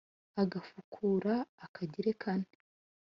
agafukura akagira kané